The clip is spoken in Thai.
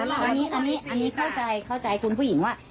อันนี้เข้าใจคุณผู้หญิงว่า